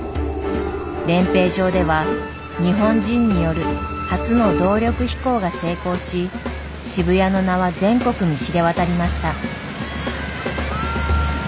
練兵場では日本人による初の動力飛行が成功し渋谷の名は全国に知れ渡りました。